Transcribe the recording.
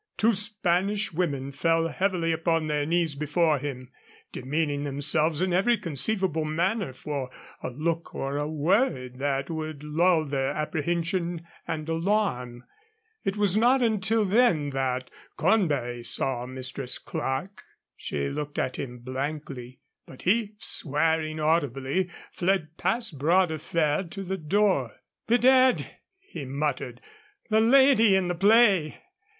Two Spanish women fell heavily upon their knees before him, demeaning themselves in every conceivable manner for a look or a word that would lull their apprehension and alarm. It was not until then that Cornbury saw Mistress Clerke. She looked at him blankly; but he, swearing audibly, fled past Bras de Fer to the door. "Bedad!" he muttered "the lady in the play!"